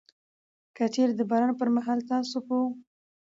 که چيري د باران پر مهال ستاسو په